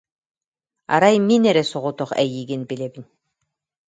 Арай мин эрэ соҕотох эйигин билэбин